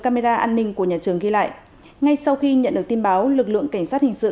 camera an ninh của nhà trường ghi lại ngay sau khi nhận được tin báo lực lượng cảnh sát hình sự